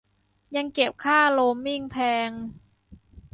ยังเก็บค่าโรมมิ่งแพง